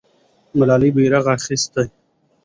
ملالۍ بیرغ اخیسته.